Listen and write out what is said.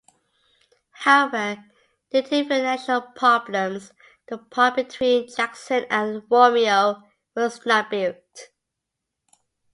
However, due to financial problems, the part between Jackson and Romeo was not built.